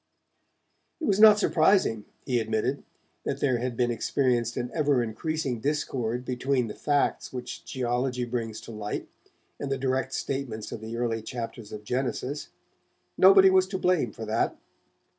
It was not surprising, he admitted, that there had been experienced an ever increasing discord between the facts which geology brings to light and the direct statements of the early chapters of 'Genesis'. Nobody was to blame for that.